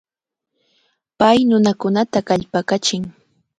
Pay nunakunata kallpakachin.